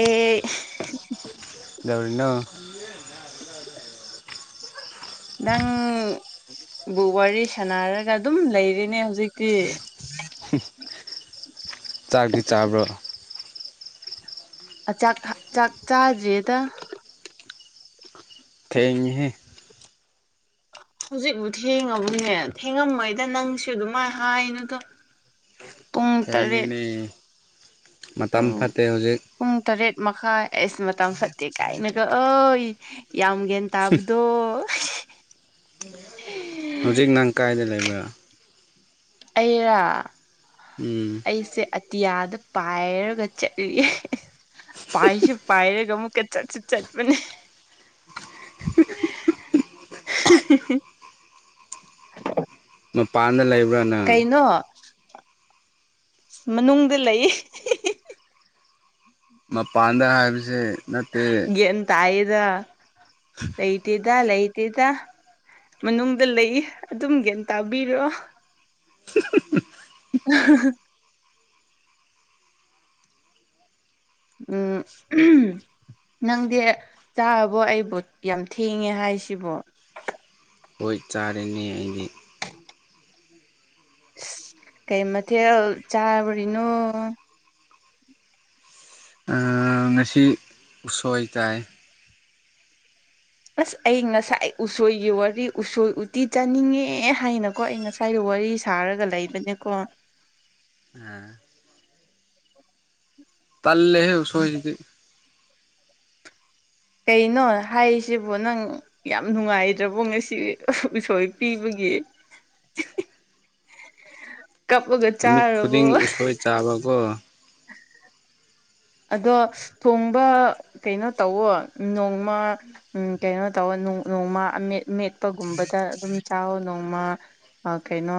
ꯑꯦ [unintelligible] ꯅꯪꯕꯨ ꯋꯥꯔꯤ ꯁꯥꯟꯅꯔꯒ ꯑꯗꯨꯝ ꯂꯩꯔꯤꯅꯦ ꯍꯧꯖꯤꯛꯇꯤ [unintelligible] ꯆꯥꯛꯇꯤ ꯆꯥꯕ꯭ꯔ ꯆꯥꯛ ꯆꯥꯛ ꯆꯥꯗ꯭ꯔꯤꯌꯦꯗ ꯊꯦꯡꯉꯦꯍꯦ ꯍꯧꯖꯤꯛꯕꯨꯨ ꯊꯦꯡꯉꯝꯃꯣꯏꯅꯦ ꯊꯦꯡꯉꯝꯃꯣꯏꯗ ꯅꯪꯁꯨ ꯑꯗꯨꯃꯥꯏꯅ ꯍꯥꯏꯅꯨꯗ [unintelligible] ꯄꯨꯡ ꯇꯔꯦꯠ ꯊꯦꯡꯉꯦꯅꯦ [unintelligible] ꯄꯨꯡ ꯇꯔꯦꯠ ꯃꯈꯥꯏ ꯑꯤꯁ ꯃꯇꯝ ꯐꯠꯇꯦ ꯀꯥꯏꯅꯒ ꯑꯣꯏ ꯌꯥꯝ ꯒ꯭ꯌꯥꯟ ꯇꯕꯗꯣ ꯍꯧꯖꯤꯛ ꯅꯪ ꯀꯥꯏꯗ ꯂꯩꯕ꯭ꯔꯥ ꯑꯩꯔꯥ ꯎꯝ ꯇꯤꯌꯥꯗ ꯄꯥꯏꯔꯒ ꯆꯠꯂꯦ ꯄꯥꯏꯁꯨ ꯄꯥꯏꯔꯒ ꯑꯃꯨꯛꯀ ꯆꯠꯁꯨ ꯆꯠꯄꯅꯦ [unintelligible] ꯃꯄꯥꯟꯗ ꯂꯩ ꯀꯩꯅꯣ ꯃꯅꯨꯡꯗ ꯂꯩ ꯃꯄꯥꯟꯗ ꯍꯥꯏꯕꯁꯦ ꯅꯠꯇꯦ ꯌꯦꯟ ꯇꯥꯏꯗ ꯂꯩꯇꯗ ꯂꯩꯠ ꯑꯗꯨꯗ ꯃꯅꯨꯡꯗ ꯂꯩ ꯑꯗꯨꯝꯒꯅ ꯇꯥꯕꯤꯔꯣ [inaudible] [inaudible] ꯎꯝ ꯅꯪꯗꯤ ꯆꯥꯕꯣ ꯑꯩꯕꯨ ꯌꯥꯝ ꯊꯦꯡꯉꯦ ꯍꯥꯏꯁꯤꯕꯣ ꯍꯣꯏ ꯆꯥꯔꯅꯦ ꯑꯗꯤ ꯀꯩ ꯃꯊꯦꯜ ꯆꯥꯕꯔꯤꯅꯣ ꯉꯁꯤ ꯎꯁꯣꯏ ꯆꯥꯏ ꯑꯁ ꯑꯩ ꯉꯁꯥꯏ ꯎꯁꯣꯏꯒꯤ ꯋꯥꯔꯤ ꯎꯁꯣꯏ ꯎꯇꯤ ꯆꯥꯅꯤꯡꯉꯦ ꯍꯥꯏꯅꯀꯣ ꯑꯩ ꯉꯁꯥꯏꯒꯤ ꯋꯥꯔꯤ ꯋꯥꯔꯤ ꯁꯥꯔꯒ ꯂꯩꯕꯅꯦꯀꯣ ꯑ ꯇꯥꯂꯦꯍꯦ ꯍꯨꯁꯣꯏꯁꯤꯗꯤ ꯀꯩꯅꯣ ꯍꯥꯏꯔꯤꯁꯤꯕꯣ ꯅꯪ ꯌꯥꯝ ꯅꯨꯡꯉꯥꯏꯗ꯭ꯔꯕꯣ ꯉꯁꯤ ꯎꯁꯣꯏ ꯄꯤꯕꯒꯤ ꯒꯤ [unintelligible] ꯀꯞꯂꯒ ꯅꯨꯃꯤꯠ ꯆꯥꯔꯕꯣ ꯈꯨꯗꯤꯡ ꯎꯁꯣꯏ ꯆꯥꯕꯀꯣ [unintelligible] ꯑꯗꯣ ꯊꯣꯡꯕ ꯀꯩꯅꯣ ꯇꯧꯋꯣ ꯅꯣꯡꯃ ꯀꯩꯅꯣ ꯇꯧꯒ ꯅꯣꯡꯃꯥ ꯑꯝꯃꯦꯠ ꯃꯦꯠꯄꯒꯨꯝꯕꯗ ꯑꯗꯨꯝ ꯆꯥꯎꯥꯋꯣ ꯅꯣꯡꯃ ꯑ ꯀꯩꯅꯣ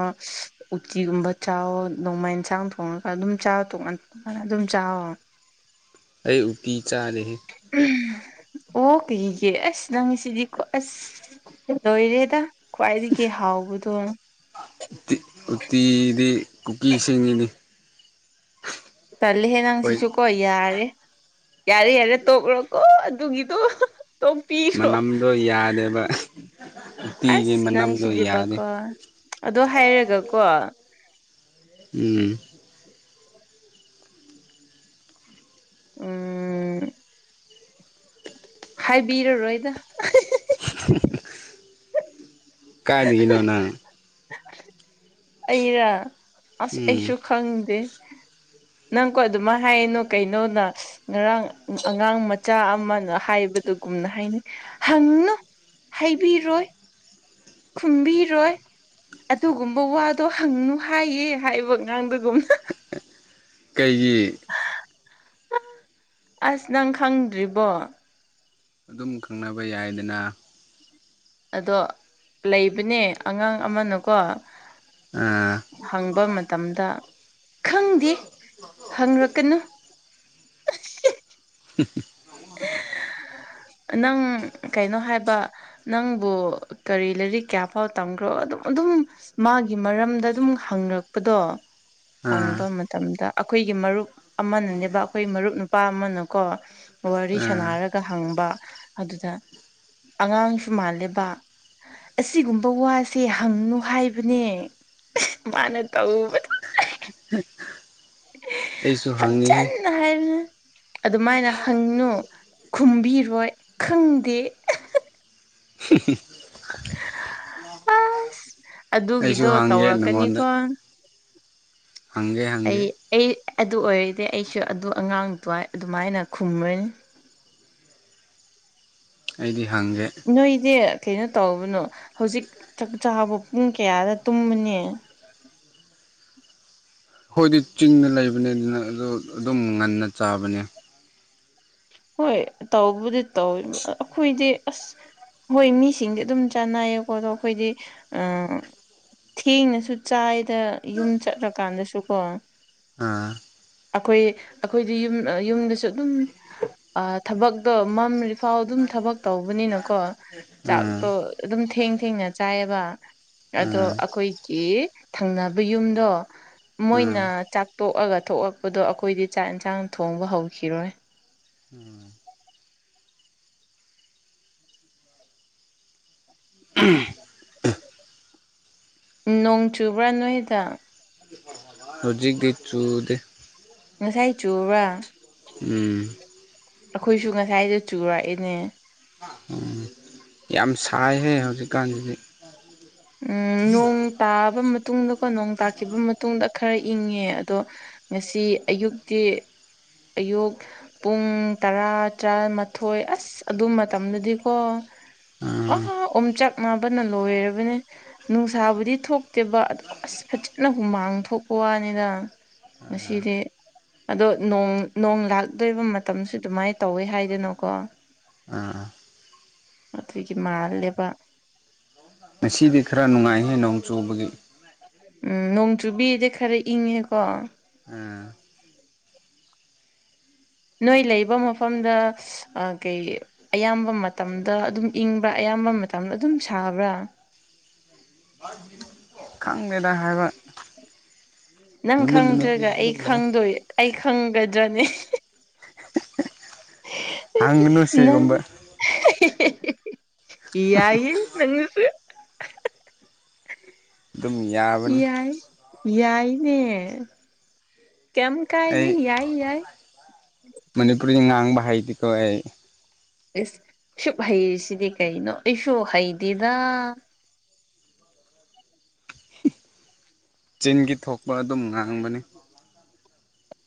ꯎꯇꯤꯒꯨꯝꯕ ꯆꯥꯎꯋꯣ ꯅꯣꯡꯃ ꯏꯟꯁꯥꯡ ꯊꯣꯡꯉꯒ ꯑꯗꯨꯝ ꯆꯥ [unintelligible] ꯑꯗꯨꯝ ꯆꯥꯎꯥꯛꯑꯣꯣ ꯑꯩ ꯎꯇꯤ ꯆꯥꯔꯤꯍꯦ ꯑꯣ ꯀꯩꯒꯦ ꯑꯁ ꯅꯪꯁꯤꯗꯤꯀꯣ ꯑꯁ ꯇꯧꯋꯤꯗꯥ ꯈ꯭ꯋꯥꯏꯗꯒꯤ ꯍꯥꯎꯕꯗꯣ ꯎꯠꯇꯤ ꯎꯇꯤꯗꯤ ꯀꯨꯀꯤꯁꯤꯡꯅꯤ ꯇꯜꯂꯍꯦ ꯅꯪ ꯁꯤꯁꯨ ꯀꯣ ꯌꯥꯔꯦ ꯌꯥꯔꯦ ꯌꯥꯔꯦ ꯇꯣꯛꯔꯣꯀꯣ ꯑꯗꯨꯒꯤꯗꯣ ꯇꯣꯄꯤꯔꫭ ꯃꯅꯝꯗꯣ ꯌꯥꯗꯦꯕ ꯎꯇꯤꯒꯤ ꯑꯁ ꯃꯅꯝꯗꯣ ꯌꯥꯗꯦ ꯅꯪꯁꯤꯗꯦꯕꯀꯣ ꯑꯗꯣ ꯍꯥꯏꯔꯒꯀꯣ ꯎꯝ ꯎꯝ ꯍꯥꯏꯕꯤꯔꯔꯣꯏꯗ [unintelligible] ꯀꯥꯏꯩꯅꯗꯒꯤꯅꯣꯅ ꯑꯩꯔ ꯑꯁ ꯑꯩꯁꯨ ꯈꯪꯗꯦ ꯎ ꯅꯪꯀꯣ ꯑꯗꯨꯃꯥꯏꯅ ꯍꯥꯏꯅꯨ ꯀꯩꯅꯣꯅ ꯉꯔꯥꯡ ꯑꯉꯥꯡ ꯃꯆꯥ ꯑꯃꯅ ꯍꯥꯏꯕꯗ ꯑꯗꯨꯒꯨꯝꯅ ꯍꯥꯏꯅꯤ ꯍꯪꯅꯨ ꯍꯥꯏꯕꯤꯔꯣꯏ ꯈꯨꯝꯕꯤꯔꯣꯏ ꯑꯗꯨꯒꯨꯝꯕ ꯋꯥꯗꯣ ꯍꯪꯅꯨ ꯍꯥꯏꯌꯦ ꯍꯥꯏꯕ ꯉꯥꯡꯕ [unintelligible] ꯀꯩꯒꯤ ꯑꯁ ꯅꯪ ꯈꯪꯗ꯭ꯔꯤꯕꯣ ꯑꯗꯨꯝ ꯈꯪꯅꯕ ꯌꯥꯏꯗꯅ ꯑꯗꯣ ꯂꯩꯕꯅꯦ ꯑꯉꯥꯡ ꯑꯃꯅꯀꯣ ꯑꯥ ꯍꯪꯕ ꯃꯇꯝꯗ ꯈꯪꯗꯦ ꯍꯪꯔꯛꯀꯅꯨ [unintelligible] [unintelligible] ꯅꯪ ꯀꯩꯅꯣ ꯍꯥꯏꯕ ꯅꯪꯕꯨ ꯀꯔꯤ ꯂꯥꯏꯔꯤꯛ ꯀꯌꯥ ꯐꯥꯎ ꯇꯝꯈ꯭ꯔꯣ ꯑꯗꯨꯝ ꯑꯗꯨꯝ ꯃꯥꯒꯤ ꯃꯔꯝꯗ ꯑꯗꯨꯝ ꯍꯪꯉꯛꯄꯗꯣ ꯑꯥ ꯍꯪꯕ ꯃꯇꯝꯗ ꯑꯩꯈꯣꯏꯒꯤ ꯃꯔꯨꯞ ꯑꯃꯅꯅꯦꯕ ꯑꯩꯈꯣꯏ ꯃꯔꯨꯞ ꯅꯨꯄꯥ ꯑꯃꯅꯀꯣ ꯋꯥꯔꯤ ꯑꯥ ꯁꯅꯔꯒ ꯍꯪꯕ ꯑꯗꯨꯗ ꯑꯉꯥꯡꯁꯨ ꯃꯥꯜꯂꯤꯕ ꯑꯁꯤꯒꯨꯝꯕ ꯋꯥꯁꯦ ꯍꯪꯅꯨ ꯍꯥꯏꯕꯅꯦ ꯃꯥꯅ ꯇꯧꯕꯗꯣ [inaudible] ꯑꯩꯁꯨ ꯍꯪꯉꯤꯍꯦ ꯐꯖꯅ ꯍꯥꯏꯕꯅꯦ ꯑꯗꯨꯃꯥꯏꯅ ꯍꯪꯅꯣ ꯈꯨꯝꯕꯤꯔꯣꯏ ꯈꯪꯗꯦ ꯑꯁ [inaudible] ꯑꯩꯁꯨ ꯑꯗꯨꯒꯤꯗꯣ ꯍꯥꯡꯒꯦ ꯅꯪꯉꯣꯟꯗ ꯇꯧꯔꯛꯀꯅꯤꯀꯣ ꯍꯪꯒꯦ ꯍꯪꯒꯦ ꯑꯦ ꯑꯗꯨ ꯑꯣꯏꯔꯗꯤ ꯑꯩꯁꯨ ꯑꯗꯨ ꯑꯉꯥꯡ ꯑꯗꯨꯋꯥꯏ ꯑꯗꯨꯃꯥꯏꯅ ꯈꯨꯝꯈꯅꯤ ꯑꯩꯗꯤ ꯍꯪꯒꯦ ꯅꯣꯏꯗꯤ ꯀꯩꯅꯣ ꯇꯧꯕꯅꯣ ꯍꯧꯖꯤꯛ ꯆꯥꯛ ꯆꯥꯕ ꯄꯨꯡ ꯀꯌꯥꯗ ꯇꯨꯝꯕꯅꯦ ꯍꯣꯏꯗꯤ ꯆꯤꯡꯅ ꯂꯩꯕꯅꯦ ꯑꯗꯨꯅ ꯑꯗꯨ ꯑꯗꯨꯝ ꯉꯟꯅ ꯆꯥꯕꯅꯦ ꯍꯣꯏ ꯇꯥꯎꯕꯨꯗꯤ ꯇꯧ ꯑꯩꯈꯣꯏꯗꯤ ꯑꯁ ꯍꯣꯏ ꯃꯤꯁꯤꯡꯗꯤ ꯑꯗꯨꯝ ꯆꯥꯟꯅꯩꯌꯦꯀꯣ ꯑꯗꯣ ꯑꯩꯈꯣꯏꯗꯤ ꯊꯦꯡꯅꯁꯨ ꯆꯥꯏꯗ ꯌꯨꯝ ꯆꯠꯂꯀꯥꯟꯗꯁꯨꯀꯣ ꯑꯥ ꯑꯩꯈꯣꯏ ꯑꯩꯈꯣꯏꯗꯤ ꯌꯨꯝ ꯌꯨꯝꯗꯁꯨ ꯑꯗꯨꯝ ꯊꯕꯛꯇꯣ ꯃꯝꯔꯤꯐꯥꯎ ꯑꯗꯨꯝ ꯊꯕꯛ ꯇꯧꯕꯅꯤꯅꯀꯣ ꯑꯥ ꯆꯥꯛꯇꯣ ꯑꯗꯨꯝ ꯊꯦꯡ ꯊꯦꯡꯅ ꯆꯥꯏꯌꯦꯕ ꯑꯗꯣ ꯑꯥ ꯑꯩꯈꯣꯏꯒꯤ ꯊꯪꯅꯕ ꯌꯨꯝꯗꯣ ꯑꯥ ꯃꯣꯏꯅ ꯆꯥꯛꯇꯣꯛꯑꯒ ꯊꯣꯛꯂꯛꯄꯗꯣ ꯑꯩꯈꯣꯏꯗꯤ ꯆꯥꯛ ꯌꯦꯟꯁꯥꯡ ꯊꯣꯡꯕ ꯍꯧꯈꯤꯔꯣꯏ ꯅꯣꯡ ꯆꯨꯕ꯭ꯔꯥ ꯅꯦꯗ ꯍꯧꯖꯤꯛꯀꯤ ꯆꯨꯗꯦ ꯉꯁꯥꯏ ꯆꯨꯕ꯭ꯔꯥ ꯎꯝ ꯑꯩꯈꯣꯏꯁꯨ ꯉꯁꯥꯏꯗ ꯆꯨꯔꯛꯏꯅꯦ ꯌꯥꯝ ꯁꯥꯏꯍꯦ ꯍꯧꯖꯤꯛꯀꯥꯟꯁꯤꯗꯤ ꯎꯝ ꯅꯣꯡ ꯇꯥꯕ ꯇꯨꯡꯗꯀꯣ ꯅꯣꯡ ꯇꯥꯈꯤꯕ ꯃꯇꯨꯡꯗ ꯈꯔ ꯏꯪꯉꯦ ꯑꯗꯣ ꯉꯁꯤ ꯑꯌꯨꯛꯇꯤ ꯑꯌꯨꯛ ꯄꯨꯡ ꯇꯔꯥ ꯇꯔꯥꯃꯊꯣꯏ ꯑꯁ ꯑꯗꯨ ꯃꯇꯝꯗꯗꯤꯀꯣ [inaudible] ꯑꯥ ꯎꯝꯆꯥꯛ ꯅꯥꯕꯅ ꯂꯣꯏꯔꯕꯅꯦ ꯅꯨꯡꯁꯥꯕꯨꯗꯤ ꯊꯣꯛꯇꯦꯕ ꯑꯗꯨ ꯑꯁ ꯐꯖꯅ ꯍꯨꯃꯥꯡ ꯊꯣꯛꯄ ꯋꯥꯅꯤꯗ ꯃꯁꯤ ꯁꯤꯗꯤ ꯑꯗꯣ ꯅꯣꯡ ꯂꯥꯛꯇꯣꯏꯕ ꯃꯇꯝꯁꯦ ꯑꯗꯨꯃꯥꯏꯅ ꯇꯧꯋꯦ ꯍꯥꯏꯗꯅꯣꯀꯣ ꯑꯥ ꯑꯗꯨꯒꯤ ꯃꯥꯜꯂꯦꯕ ꯉꯁꯤꯗꯤ ꯈꯔ ꯅꯨꯡꯉꯥꯏꯍꯦ ꯅꯣꯡ ꯆꯨꯕꯒꯤ ꯎꯝ ꯅꯣꯡ ꯆꯨꯕꯤꯗ ꯈꯔꯦ ꯏꯪꯉꯦꯀꯣ ꯑꯥ ꯅꯣꯏ ꯂꯩꯕ ꯃꯐꯝꯗ ꯀꯩ ꯑꯌꯥꯝꯕ ꯃꯇꯝꯗ ꯑꯗꯨꯝ ꯏꯪꯕ꯭ꯔꯥ ꯑꯌꯥꯝ ꯀꯔꯝꯕ ꯃꯇꯝꯗ ꯑꯗꯨꯝ ꯁꯥꯕ꯭ꯔꯥ [inaudible] ꯑꯪ ꯃꯦꯗꯥ ꯍꯥꯏꯕ ꯅꯪ ꯅꯨꯃꯤꯠ ꯅꯨꯃꯤꯠꯀꯤ ꯈꯪꯗ꯭ꯔꯒ ꯑꯩ ꯑꯗꯨꯝ ꯂꯩ ꯈꯪꯗꯣꯏ ꯑꯩ ꯈꯪꯒꯗ꯭ꯔꯅꯦ ꯍꯪꯒꯅꯨ ꯁꯤꯒꯨꯝꯕ ꯏ ꯌꯥꯏ ꯅꯪꯁꯨ ꯑꯗꯨꯝ ꯌꯥꯕꯅꯤ ꯌꯥꯏ ꯌꯥꯏꯅꯦ ꯀꯝ ꯀꯥꯏꯗꯦ ꯑꯩ ꯌꯥꯏ ꯌꯥꯏ ꯃꯅꯤꯄꯨꯔꯤ ꯉꯥꯡꯕ ꯍꯩꯇꯦ ꯀꯣ ꯑꯩ ꯑꯦꯁ ꯁꯨꯛ ꯍꯩꯔꯤꯁꯤꯗꯤ ꯀꯩꯅꯣ ꯑꯩꯁꯨ ꯍꯩꯇꯦꯗ ꯆꯤꯟꯒꯤ ꯊꯣꯛꯄ ꯑꯗꯨꯝ ꯉꯥꯡꯕꯅꯤ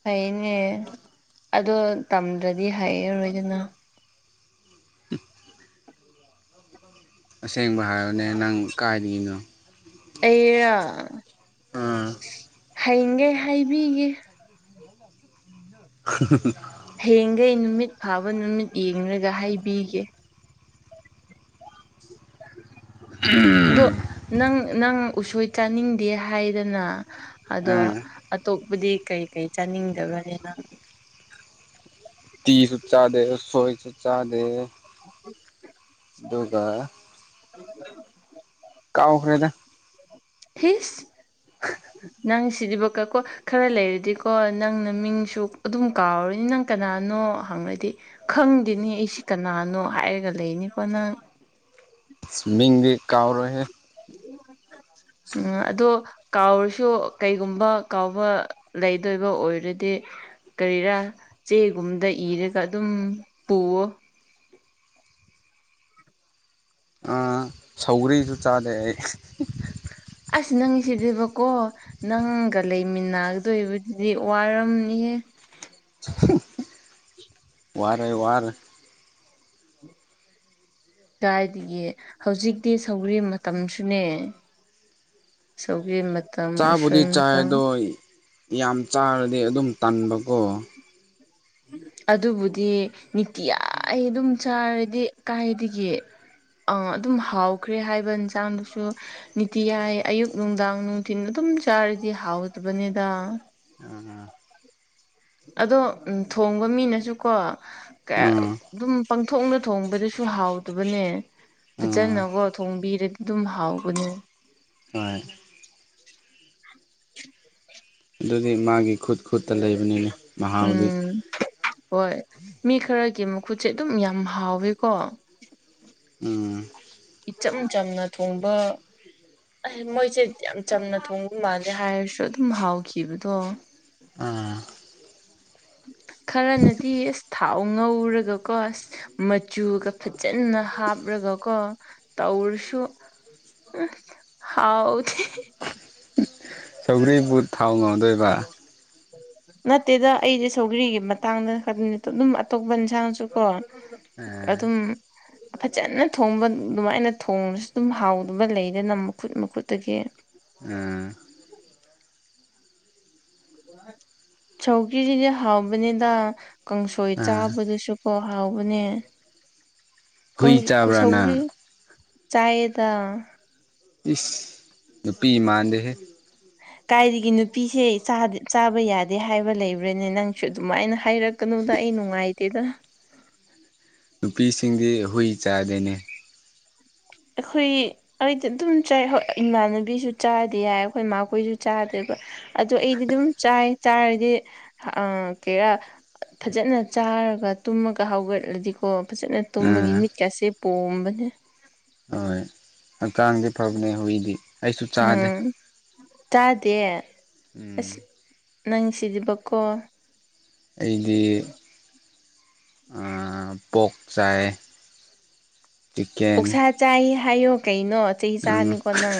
ꯐꯩꯅꯦ ꯑꯗꯣ ꯇꯝꯗ꯭ꯔꯗꯤ ꯍꯩꯔꯔꯣꯏꯗꯅ ꯑꯁꯦꯡꯕ ꯍꯥꯏꯌꯣꯅꯦ ꯅꯪ ꯀꯥꯏꯗꯒꯤꯅꯣ ꯑꯩꯔꯣ ꯑꯥ ꯍꯌꯦꯡꯒꯦ ꯍꯥꯏꯕꯤꯒꯦ [unintelligible] [unintelligible] ꯍꯌꯦꯡꯈꯩ ꯅꯨꯃꯤꯠ ꯐꯥꯕ ꯅꯨꯃꯤꯠ ꯌꯦꯡꯂꯡꯒ ꯍꯥꯏꯕꯤꯒꯦ [unintelligible] ꯑꯗꯣ ꯅꯪ ꯅꯪ ꯎꯁꯣꯏ ꯆꯥꯅꯤꯡꯗꯦ ꯍꯥꯏꯗꯅ ꯑꯗꯣ ꯑꯇꯣꯞꯄꯗꯤ ꯀꯩ ꯀꯩ ꯆꯥꯅꯤꯡꯗꯕꯅꯦꯅꯪ ꯎꯠꯇꯤꯁꯨ ꯆꯥꯗꯦ ꯎꯁꯣꯏꯁꯨ ꯆꯥꯗꯦ ꯎ [unintelligible] ꯑꯗꯨꯒ [inaudible] ꯀꯥꯑꯣꯈꯥꯔꯦꯗꯥ ꯊꯁ ꯎ [inaudible] ꯅꯪ ꯁꯤꯗꯤꯕꯀꯣ ꯈꯔ ꯂꯩꯔꯗꯤꯀꯣ ꯅꯪꯅ ꯃꯤꯡꯁꯨ ꯑꯗꯨꯝ ꯀꯥꯎꯔꯅꯤ ꯅꯪ ꯀꯅꯥꯅꯣ ꯀꯅꯥꯅꯣ ꯍꯪꯉꯗꯤ ꯈꯪꯗꯦꯅꯦ ꯑꯩꯁꯤ ꯀꯅꯥꯅꯣ ꯍꯥꯏꯔꯒ ꯂꯩꯅꯤꯀꯣ ꯅꯪ ꯃꯤꯡꯗꯤ ꯀꯥꯎꯔꯣꯏ ꯍꯦ ꯎꯝ ꯑꯗꯣ ꯀꯥꯎꯔꯁꯨ ꯀꯩꯒꯨꯝꯕ ꯀꯥꯎꯕ ꯂꯩꯗꯣꯏꯕ ꯑꯣꯏꯔꯗꯤ ꯀꯔꯤꯔꯥ ꯆꯦꯒꯨꯝꯗ ꯏꯔꯒ ꯑꯗꯨꯝ ꯄꯨꯋꯣ ꯥꯑ ꯁꯧꯒ꯭ꯔꯤꯁꯨ ꯆꯥꯗꯦ ꯑꯩ ꯑꯁ ꯅꯪꯁꯤꯗꯤꯕꯀꯣ ꯅꯪꯒ ꯂꯩꯃꯤꯟꯅꯒꯗꯣꯏꯕꯗꯨꯗꯤ ꯋꯥꯔꯝꯅꯤ ꯋꯥꯔꯦ ꯋꯥꯔꯦ ꯀꯗꯥꯥꯏꯗꯒꯤ ꯍꯧꯖꯤꯛꯇꯤ ꯁꯧꯒ꯭ꯔꯤ ꯃꯇꯝꯁꯨꯅꯦ ꯁꯧꯒ꯭ꯔꯤ ꯃꯇꯝ ꯆꯥꯕꯨꯗꯤ ꯎꯁꯣꯏ ꯆꯥꯏ ꯃꯇꯝ ꯑꯗꯣ ꯌꯥꯝ ꯆꯥꯔꯗꯤ ꯑꯗꯨꯝ ꯇꯟꯕꯀꯣ ꯑꯗꯨꯕꯨꯗꯤ ꯅꯤꯇꯤꯌꯥ [unintelligible] ꯑꯗꯨꯝ ꯆꯥꯔꯗꯤ ꯀꯥꯏꯗꯒꯤ ꯑꯥ ꯑꯗꯨꯝ ꯍꯥꯎꯈ꯭ꯔꯦ ꯍꯥꯏꯕ ꯏꯟꯁꯥꯡꯗꯨꯁꯨ ꯅꯤꯇꯤꯌꯥꯏ ꯑꯌꯨꯛ ꯅꯨꯡꯗꯥꯡ ꯅꯨꯡꯊꯤꯟ ꯑꯗꯨꯝ ꯁꯨꯝ ꯆꯥꯔꯗꯤ ꯍꯥꯎꯕꯅꯤꯗ ꯑ [unintelligible] ꯑꯗꯣ ꯊꯣꯡꯕ ꯃꯤꯅꯁꯨꯀꯣ ꯑꯗꯨꯝ ꯄꯨꯛꯊꯣꯡꯗ ꯊꯣꯡꯕꯗꯁꯨ ꯍꯥꯎꯗꯕꯅꯦ ꯑꯥ ꯐꯖꯅꯀꯣ ꯊꯣꯡꯕꯤꯔꯗꯤ ꯑꯗꯨꯝ ꯍꯥꯎꯕꯅꯦ ꯍꯣꯏ [unintelligible] ꯑꯗꯨꯗꯤ ꯃꯥꯒꯤ ꯈꯨꯠ ꯈꯨꯠꯇ ꯂꯩꯕꯅꯤꯅꯦ ꯃꯍꯥꯎꯗꯤ ꯎꯝ ꯍꯣꯏ ꯃꯤ ꯈꯔꯒꯤ ꯈꯨꯁꯩ [unintelligible] ꯑꯗꯨꯝ ꯌꯥꯝ ꯍꯥꯎꯋꯦꯀꯣ ꯎꯝ ꯏꯆꯝ ꯆꯝꯅ ꯊꯣꯡꯕ ꯑ ꯃꯣꯏꯁꯦ ꯌꯥꯝ ꯆꯝꯅ ꯊꯣꯡꯕ ꯃꯥꯜꯂꯦ ꯍꯥꯏꯔꯁꯨ ꯑꯗꯨꯝ ꯍꯥꯎꯈꯤꯕꯗꯣ ꯑ ꯈꯔꯅꯗꯤ ꯑꯁ ꯊꯥꯎ ꯉꯧꯔꯒꯀꯣ ꯃꯆꯨꯒ ꯐꯖꯅ ꯍꯥꯞꯔꯒꯀꯣ ꯍꯧꯔꯁꯨ ꯎꯝ ꯍꯧꯇꯦ ꯁꯧꯒ꯭ꯔꯤꯕꯨ ꯊꯥꯎ ꯉꯧꯔꯗꯤ ꯑꯣ [unintelligible] ꯅꯠꯇꯦꯗ ꯑꯩꯁꯦ ꯁꯧꯒ꯭ꯔꯤꯒꯤ ꯃꯇꯥꯡꯗ ꯈꯛꯇ ꯑꯗꯨꯝ ꯑꯇꯣꯞꯄ ꯏꯟꯁꯥꯡꯁꯨ ꯀꯣ ꯑꯥ ꯑꯗꯨꯝ ꯐꯖꯅ ꯊꯣꯡꯕ ꯑꯗꯨꯃꯥꯏꯅ ꯊꯣꯡꯁꯨ ꯑꯗꯨꯝ ꯍꯥꯎꯗꯨꯕ ꯂꯩꯗꯅ ꯃꯈꯨꯠ ꯃꯈꯨꯠꯇꯒꯤ ꯑ ꯁꯧꯀꯤꯁꯤꯗꯤ ꯍꯥꯎꯕꯅꯤꯗ ꯀꯥꯡꯁꯣꯏ ꯑꯥ ꯆꯥꯕꯗꯨꯁꯨꯀꯣ ꯍꯥꯎꯕꯅꯦ ꯍꯨꯏ ꯆꯥꯕ꯭ꯔꯥ ꯀꯨꯁꯧꯈ꯭ꯔꯤ ꯅꯪ ꯆꯌꯦꯗ ꯏꯁ ꯅꯨꯄꯤ ꯏꯃꯥꯟꯗꯍꯦ ꯀꯥꯏꯗꯒꯤ ꯅꯨꯄꯤꯁꯦ ꯆꯥꯕ ꯌꯥꯗꯦ ꯍꯥꯏꯕ ꯂꯩꯕ꯭ꯔꯅꯦ ꯅꯪꯁꯨ ꯑꯗꯨꯃꯥꯏꯅ ꯍꯥꯏꯔꯛꯀꯅꯨ ꯗ ꯑꯩꯩꯅꯅꯨꯡꯉꯥꯏꯇꯦꯗ ꯅꯨꯄꯤꯁꯤꯡꯗꯤ ꯍꯨꯏ ꯆꯥꯗꯅꯤ ꯎ ꯑꯩꯈꯣꯏ ꯑꯩꯗꯤ ꯑꯗꯨꯝ ꯆꯥꯏ ꯍꯣꯏ ꯏꯃꯥꯟꯅꯕꯤꯁꯨ ꯆꯥꯗꯤ ꯌꯥꯏ ꯑꯩꯈꯣꯏ ꯏꯃꯥꯈꯣꯏꯁꯨ ꯆꯥꯗꯦꯕ ꯑꯗ ꯑꯩꯗꯤ ꯑꯗꯨꯝ ꯆꯥꯏ ꯆꯥꯔꯗꯤ ꯀꯩꯔꯥ ꯐꯖꯅ ꯆꯥꯔꯒ ꯇꯨꯝꯃꯒ ꯍꯧꯒꯠꯂꯗꯤꯀꯣ ꯐꯖꯅ ꯇꯨꯝꯕꯒꯤ ꯑꯥ ꯃꯤꯠꯀꯥꯁꯦ ꯄꯣꯝꯕꯅꯦ ꯍꯣꯏ ꯍꯛꯆꯥꯡꯗꯤ ꯐꯕꯅꯦ ꯍꯨꯏꯗꯤ ꯑꯩꯁꯨ ꯆꯥꯗꯦ ꯇꯥꯗꯦ ꯎꯝ ꯅꯪ ꯁꯤꯗꯤꯕꯀꯣ ꯑꯩꯗꯤ ꯄꯣꯛ ꯆꯥꯏꯌꯦ ꯑꯣꯛꯁꯥ ꯆꯥꯏꯌꯦ ꯍꯥꯏꯌꯣ ꯀꯩꯅꯣ ꯅꯣ ꯆꯩ ꯎꯝ ꯆꯥꯅꯤꯀꯣ ꯅꯪ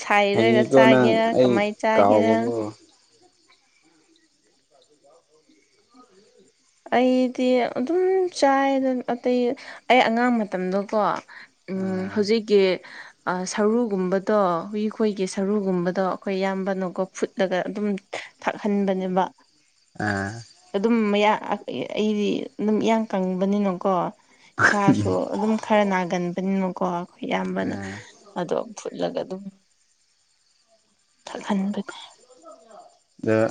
ꯁꯥꯏꯔꯒ ꯍꯩꯌꯦꯀꯣ ꯅꯪ ꯆꯥꯒꯦꯔꯥ ꯑꯩ ꯀꯃꯥꯏꯅ ꯆꯥꯒꯦꯔꯥ ꯀꯥꯎꯕꯀꯣ ꯑꯩꯗꯤ ꯑꯗꯨꯝ ꯆꯥꯏ ꯑꯇꯩ ꯑꯩ ꯑꯉꯥꯡ ꯃꯇꯝꯗꯣꯀꯣ ꯎꯝ ꯑꯥ ꯍꯧꯖꯤꯛꯀꯤ ꯁꯔꯨꯒꯨꯝꯕꯗꯣ ꯍꯨꯏꯈꯣꯏꯒꯤ ꯁꯔꯨꯒꯨꯝꯕꯗꯣ ꯑꯩꯈꯣꯏ ꯏꯌꯥꯝꯕꯅꯀꯣ ꯐꯨꯠꯂꯒ ꯑꯗꯨꯝ ꯊꯥꯛꯍꯟꯕꯅꯦꯕ ꯑꯥ ꯑꯗꯨꯝ ꯃꯌꯥ ꯑꯩꯗꯤ ꯑꯗꯨꯝ ꯏꯌꯥꯡ ꯀꯪꯕꯅꯤꯅꯀꯣ ꯏꯁꯥꯁꯨ ꯑꯗꯨꯝ ꯈꯔ ꯅꯥꯒꯟꯕꯅꯤꯅꯀꯣ ꯑꯩꯈꯣꯏ ꯏꯌꯥꯝꯕꯅ ꯑꯥ ꯑꯗꯣ ꯎꯠꯂꯒ ꯑꯗꯨꯝ ꯊꯥꯛꯍꯟꯕꯅꯦ ꯑꯣ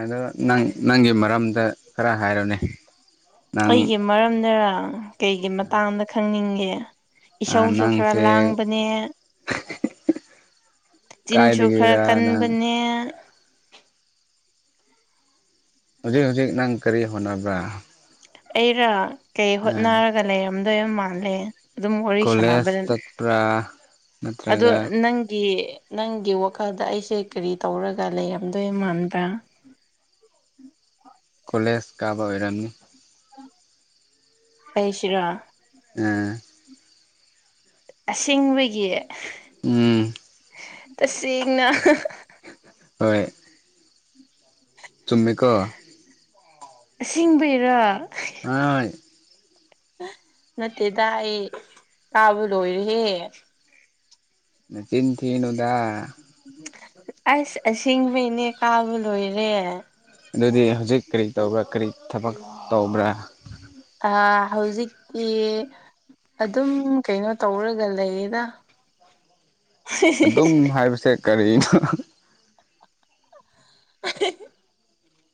ꯑꯗꯣ ꯅꯪ ꯅꯪꯒꯤ ꯃꯔꯝꯗ ꯈꯔ ꯍꯥꯏꯔꯅꯦ ꯑꯩꯒꯤ ꯃꯔꯝꯗꯔ ꯀꯩꯒꯤ ꯃꯇꯥꯡꯗ ꯈꯪꯅꯤꯡꯉꯦ ꯏꯁꯧꯁꯨ ꯈꯔ ꯅꯪꯁꯦ ꯂꯥꯡꯕꯅꯦ ꯆꯤꯟꯁꯨ ꯈꯔ ꯀꯥꯏꯗꯒꯤꯔ ꯅꯪ ꯀꯟꯕꯅꯦ ꯍꯧꯖꯤꯛ ꯍꯧꯖꯤꯛ ꯅꯪ ꯀꯔꯤ ꯍꯣꯠꯅꯕ꯭ꯔ ꯑꯩꯔꯥ ꯀꯩ ꯍꯣꯠꯅꯔꯒ ꯂꯩꯔꯝꯗꯣꯏꯕ ꯃꯥꯜꯂꯦ ꯑꯗꯨꯝ ꯋꯥꯔꯤ ꯀꯣꯂꯦꯖ ꯁꯥꯟꯅꯕ ꯆꯠꯄ꯭ꯔꯥ ꯑꯗꯣ ꯅꯠꯇ꯭ꯔꯒ ꯅꯪꯒꯤ ꯅꯪꯒꯤ ꯋꯥꯈꯜꯗ ꯑꯩꯁꯦ ꯀꯔꯤ ꯇꯧꯔꯒ ꯂꯩꯔꯝꯗꯣꯏ ꯃꯗ꯭ꯔꯥ ꯎꯝ ꯀꯣꯂꯦꯖ ꯀꯥꯕ ꯑꯣꯏꯔꯝꯃꯤ ꯄꯦꯁꯔꯥ ꯎꯝ ꯑꯁꯁꯤꯡꯕꯒꯤ ꯎꯝ ꯇꯁꯦꯡꯅ ꯍꯣꯏ ꯆꯨꯝꯃꯀꯣ ꯁꯤꯡꯕꯩꯔꯥ ꯍ ꯅꯠꯇꯦꯗ ꯑꯩ ꯇꯥꯕ ꯂꯣꯏꯔꯍꯦ ꯃꯦꯆꯤꯟ ꯊꯤꯟꯗ ꯑꯁ ꯁꯤꯡꯕꯩꯅꯦ ꯀꯥꯕ ꯂꯣꯏꯔꯦ ꯑꯗꯨꯗꯤ ꯍꯧꯖꯤꯛ ꯀꯔꯤ ꯇꯧꯕ꯭ꯔꯥ ꯀꯔꯤ ꯊꯕꯛ ꯇꯧꯕ꯭ꯔꯥ ꯑ ꯍꯧꯖꯤꯛꯇꯤ ꯑꯗꯨꯝ ꯀꯩꯅꯣ ꯇꯧꯔꯒ ꯂꯩꯌꯦꯗ ꯑꯗꯨꯝ ꯍꯥꯏꯕꯁꯦ ꯀꯔꯤꯅꯣ ꯑ